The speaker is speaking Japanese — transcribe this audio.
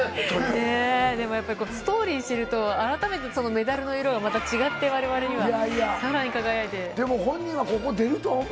でもやっぱり、ストーリー知ると改めてメダルの色がまた違って、われわれにはさでも、本人はここ出るとは思